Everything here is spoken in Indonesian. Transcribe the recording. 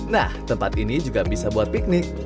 nah tempat ini juga bisa buat piknik